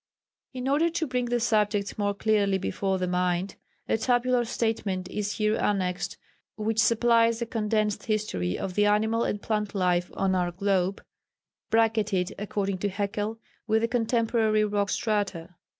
In order to bring the subject more dearly before the mind, a tabular statement is here annexed which supplies a condensed history of the animal and plant life on our globe, bracketed according to Haeckel with the contemporary rock strata.